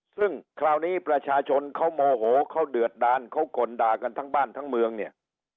ซึ่งคราวนี้ประชาชนเขาโมโหเขาเดือดดานเขากลด่ากันทั้งบ้านทั้งเมืองเนี่ย